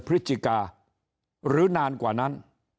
พฤศจิกาหรือนานกว่านั้น